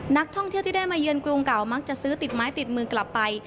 นักท่องเที่ยวที่ได้มาเยือนกรุงเก่ามักจะซื้อติดไม้ติดมือกลับไป